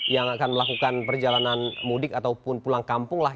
yang akan melakukan perjalanan mudik ataupun pulang kampung lah